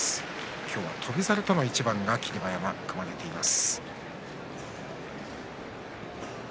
今日、翔猿との一番が霧馬山は組まれています。